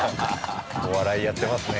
お笑いやってますね。